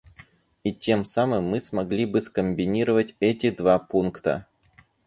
И тем самым мы смогли бы скомбинировать эти два пункта.